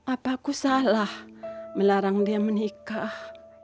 apa aku salah melarang dia menikah